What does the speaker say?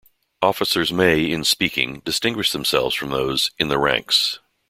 Officers may, in speaking, distinguish themselves from those ""in the ranks"".